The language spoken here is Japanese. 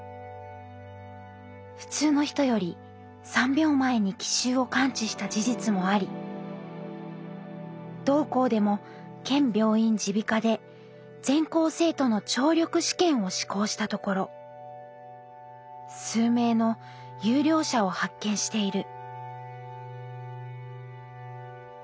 「普通の人より三秒前に機襲を感知した事実もあり同校でも県病院耳鼻科で全校生徒の聴力試験を施行したところ数名の優良者を発見している」。